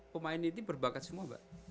pemain itu berbakat semua mbak